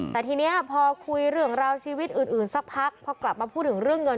แต่ทีนี้พอคุยเรื่องราวชีวิตอื่นสักพักพอกลับมาพูดถึงเรื่องเงิน